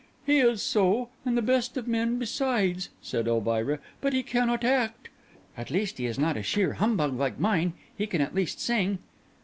"He is so, and the best of men besides," said Elvira; "but he cannot act." "At least he is not a sheer humbug like mine; he can at least sing."